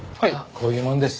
こういう者です。